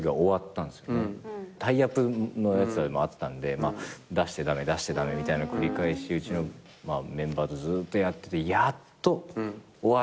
タイアップのやつでもあったんで出して駄目出して駄目みたいな繰り返しうちのメンバーとずっとやっててやっと終わったってなって。